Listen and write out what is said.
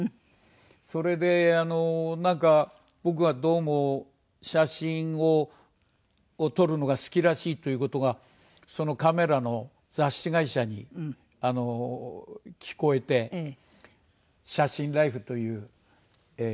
それでなんか僕はどうも写真を撮るのが好きらしいという事がカメラの雑誌会社に聞こえて『写真ライフ』というこの。